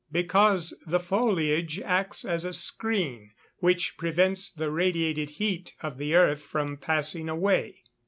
_ Because the foliage acts as a screen, which prevents the radiated heat of the earth from passing away.